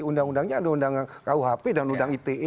undang undangnya ada undang kuhp dan undang ite